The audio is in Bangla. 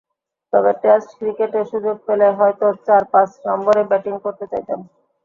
তবে টেস্ট ক্রিকেটে সুযোগ পেলে হয়তো চার-পাঁচ নম্বরে ব্যাটিং করতে চাইতাম।